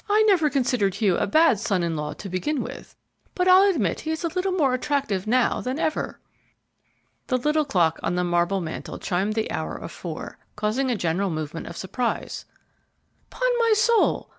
"I never considered Hugh a bad son in law to begin with, but I'll admit he is a little more attractive now than ever." The little clock on the marble mantel chimed the hour of four, causing a general movement of surprise. "'Pon my soul!